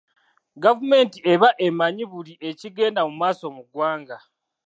Gavumenti eba emanyi buli ekigenda mu maaso mu ggwanga.